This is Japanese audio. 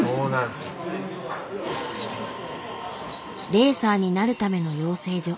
レーサーになるための養成所。